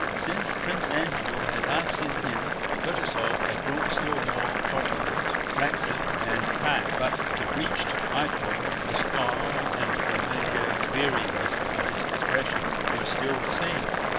Since Prince Andrew had last seen him Kutúzov had grown still more corpulent, flaccid, and fat. But the bleached eyeball, the scar, and the familiar weariness of his expression were still the same.